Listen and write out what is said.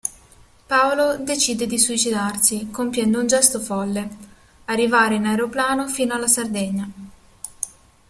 Paolo deicide di suicidarsi compiendo un gesto folle: arrivare in aeroplano fino alla Sardegna.